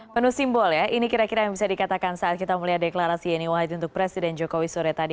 penuh simbol ya ini kira kira yang bisa dikatakan saat kita melihat deklarasi yeni wahid untuk presiden jokowi sore tadi